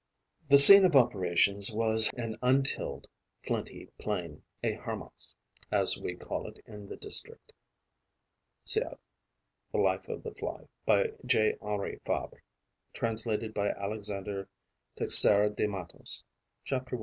The scene of operations was an untilled, flinty plain, a harmas, as we call it in the district. (Cf. "The Life of the Fly", by J. Henri Fabre, translated by Alexander Teixeira de Mattos: chapter 1.